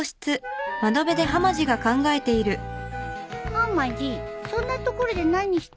はまじそんな所で何してんの？